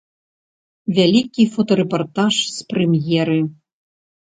Вялікі фотарэпартаж з прэм'еры.